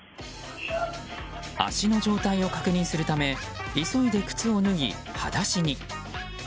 足の状態を確認するため急いで靴を脱ぎ、はだしに。